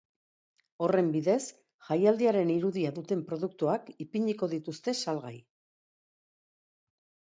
Horren bidez, jaialdiaren irudia duten produktuak ipiniko dituzte salgai.